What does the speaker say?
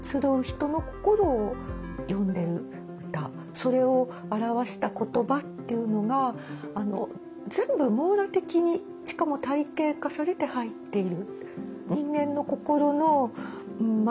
それを表した言葉っていうのが全部網羅的にしかも体系化されて入っている。